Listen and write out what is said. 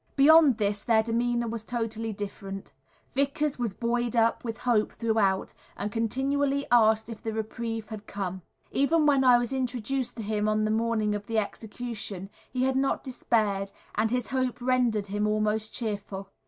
Beyond this, their demeanour was totally different. Vickers was buoyed up with hope throughout, and continually asked if "the reprieve" had come. Even when I was introduced to him on the morning of the execution he had not despaired, and his hope rendered him almost cheerful.